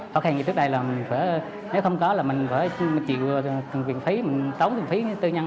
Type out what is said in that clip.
thỏa khăn như trước đây là nếu không có là mình phải chịu tổng thường phí tư nhân